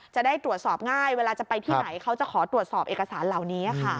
จะได้ตรวจสอบง่ายเวลาจะไปที่ไหนเขาจะขอตรวจสอบเอกสารเหล่านี้ค่ะ